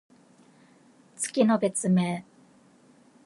月の別名。